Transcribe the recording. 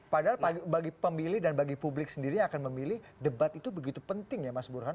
padahal bagi pemilih dan bagi publik sendiri yang akan memilih debat itu begitu penting ya mas burhan